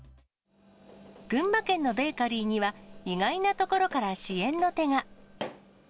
群馬県のベーカリーには、意外なところから支援の手が。